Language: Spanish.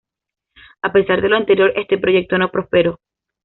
A pesar de lo anterior este proyecto no prosperó.